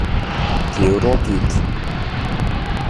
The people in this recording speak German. Theodor geht.